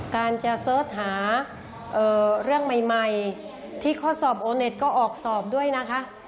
การจะเสิร์ชหาเรื่องใหม่ที่ข้อสอบโอเน็ตก็ออกสอบด้วยนะคะ